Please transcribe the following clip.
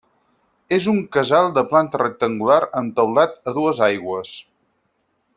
És un casal de planta rectangular amb teulat a dues aigües.